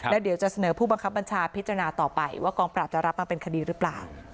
แล้วเดี๋ยวจะเสนอผู้บังคับบัญชาพิจารณาต่อไปว่ากองปราบจะรับมาเป็นคดีหรือเปล่า